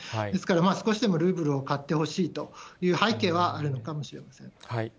ですから、少しでもルーブルを買ってほしいという背景は、あるのかもしれま